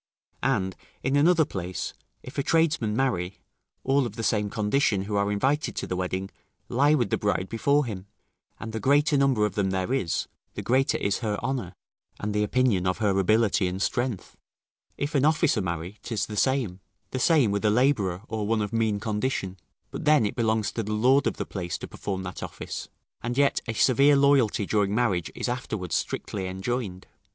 And, in another place, if a tradesman marry, all of the same condition, who are invited to the wedding, lie with the bride before him; and the greater number of them there is, the greater is her honour, and the opinion of her ability and strength: if an officer marry, 'tis the same, the same with a labourer, or one of mean condition; but then it belongs to the lord of the place to perform that office; and yet a severe loyalty during marriage is afterward strictly enjoined.